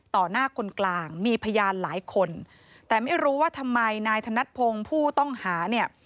หน้าคนกลางมีพยานหลายคนแต่ไม่รู้ว่าทำไมนายธนัดพงศ์ผู้ต้องหาเนี่ย